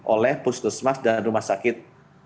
oleh puskesmas dan rumah sakit